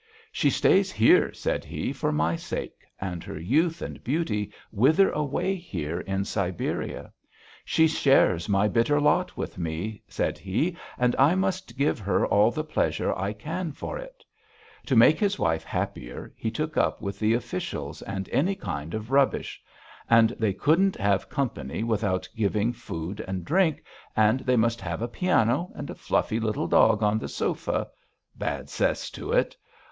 'She stays here,' said he, 'for my sake, and her youth and beauty wither away here in Siberia. She shares my bitter lot with me,' said he, 'and I must give her all the pleasure I can for it....' To make his wife happier he took up with the officials and any kind of rubbish. And they couldn't have company without giving food and drink, and they must have a piano and a fluffy little dog on the sofa bad cess to it....